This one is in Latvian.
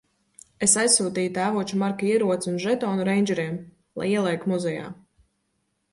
Es aizsūtīju tēvoča Marka ieroci un žetonu reindžeriem - lai ieliek muzejā.